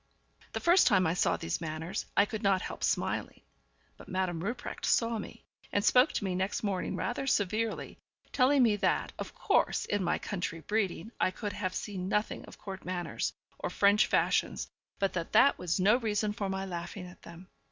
The first time I saw these manners I could not help smiling; but Madame Rupprecht saw me, and spoke to me next morning rather severely, telling me that, of course, in my country breeding I could have seen nothing of court manners, or French fashions, but that that was no reason for my laughing at them.